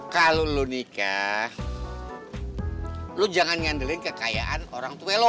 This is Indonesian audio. kalau lo nikah lo jangan ngandelin kekayaan orang tua lo